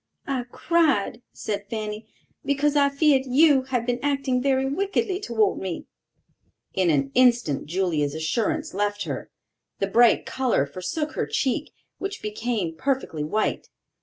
"I cried," said Fanny, "because I feared you had been acting very wickedly toward me." In an instant Julia's assurance left her. The bright color forsook her cheek, which became perfectly white.